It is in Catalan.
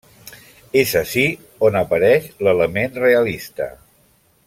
És ací on apareix l'element realista.